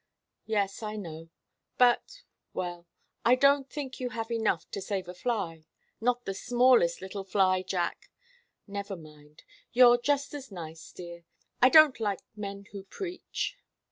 "Yes, I know. But well I don't think you have enough to save a fly not the smallest little fly, Jack. Never mind you're just as nice, dear. I don't like men who preach."